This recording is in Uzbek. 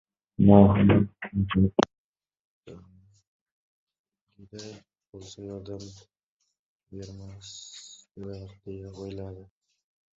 "Molxona muqaddamgiday bo‘lsa, yordam bermasdilar, — deya o‘yladi.